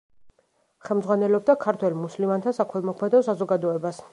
ხელმძღვანელობდა ქართველ მუსლიმანთა საქველმოქმედო საზოგადოებას.